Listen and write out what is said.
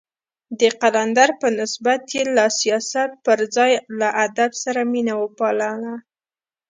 د قلندر په نسبت يې له سياست پر ځای له ادب سره مينه وپالله.